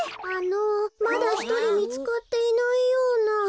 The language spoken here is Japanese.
あのまだひとりみつかっていないような。